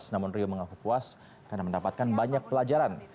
namun rio mengaku puas karena mendapatkan banyak pelajaran